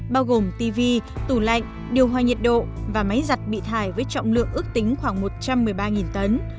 bao gồm tv tủ lạnh điều hòa nhiệt độ và máy giặt bị thải với trọng lượng ước tính khoảng một trăm một mươi ba tấn